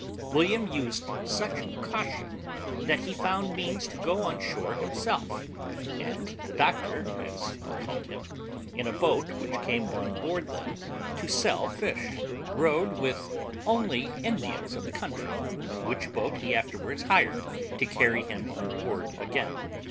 William used such caution that he found means to go on shore himself, and the doctor, as he called him, in a boat which came on board them to sell fish, rowed with only Indians of the country, which boat he afterwards hired to carry him on board again.